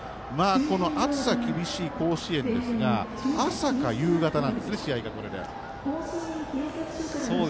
この暑さ厳しい甲子園ですが朝か夕方なんですねこれで。